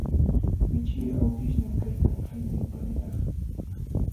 Michii awkishñam kaykan, haymi upanilaq.